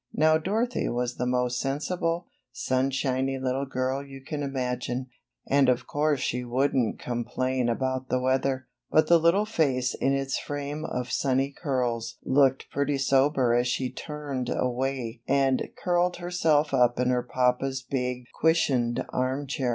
Now Dorothy was the most sensible, sun shiny little girl you can imagine, and of course she wouldnT complain about the weather; but the little face in its frame of sunny curls looked pretty sober as she turned away and curled herself up in her papa's big, cushioned armchair.